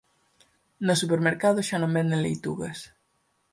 No supermercado xa non venden leitugas